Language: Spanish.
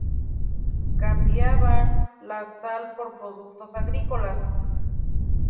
Cambiaban la sal por productos agrícolas.